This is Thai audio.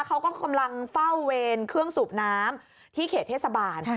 เขาก็กำลังเฝ้าเวรเครื่องสูบน้ำที่เขตเทศบาล